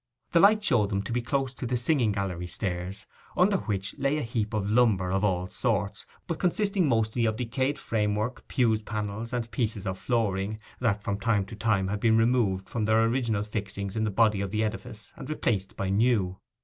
The light showed them to be close to the singing gallery stairs, under which lay a heap of lumber of all sorts, but consisting mostly of decayed framework, pews, panels, and pieces of flooring, that from time to time had been removed from their original fixings in the body of the edifice and replaced by new.